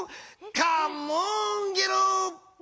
カモーンゲロ！